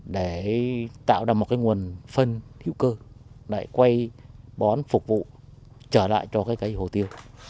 để tạo ra một cái nguồn phân hữu cơ để quay bón phục vụ trở lại cho cái cây hồ tiêu